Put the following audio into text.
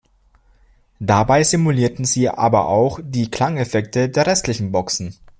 Dabei simulieren sie aber auch die Klangeffekte der restlichen Boxen.